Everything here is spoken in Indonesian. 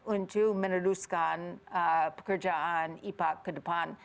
untuk meneruskan pekerjaan ipak ke depan